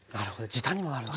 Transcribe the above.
時短にもなる。